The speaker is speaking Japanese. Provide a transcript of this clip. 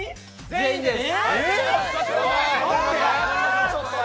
全員です。